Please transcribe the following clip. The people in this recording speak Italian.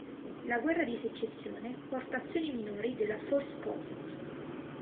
La Guerra di secessione porta azioni minori nella First Coast.